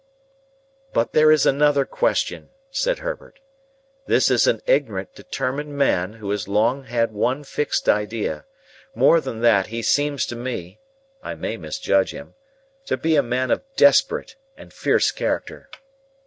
"But there is another question," said Herbert. "This is an ignorant, determined man, who has long had one fixed idea. More than that, he seems to me (I may misjudge him) to be a man of a desperate and fierce character."